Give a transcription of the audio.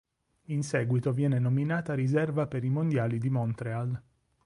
In seguito viene nominata riserva per i Mondiali di Montreal.